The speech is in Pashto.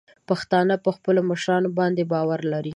پښتانه په خپلو مشرانو باندې باور لري.